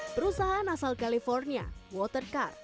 perusahaan asal california watercar